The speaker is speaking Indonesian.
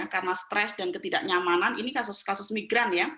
karena stress dan ketidaknyamanan ini kasus kasus migran